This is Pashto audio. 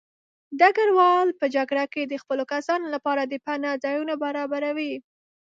ډګروال په جګړه کې د خپلو کسانو لپاره د پناه ځایونه برابروي.